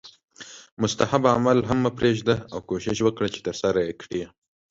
مستحب عمل هم مه پریږده او کوښښ وکړه چې ترسره یې کړې